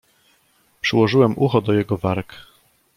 "Przyłożyłem ucho do jego warg."